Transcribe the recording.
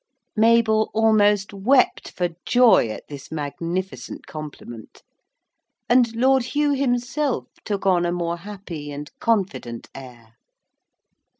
Mabel almost wept for joy at this magnificent compliment, and Lord Hugh himself took on a more happy and confident air.